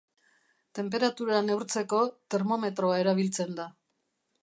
tenperatura neurtzeko, termometroa erabiltzen da.